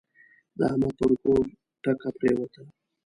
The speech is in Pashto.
د احمد پر کور ټکه پرېوته.